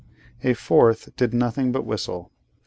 A fourth did nothing but whistle.